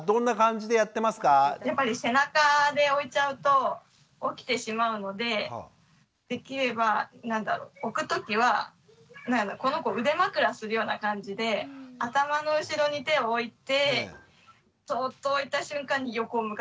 やっぱり背中で置いちゃうと起きてしまうのでできれば何だろう置くときはこの子を腕枕するような感じで頭の後ろに手を置いてそっと置いた瞬間に横を向かせる。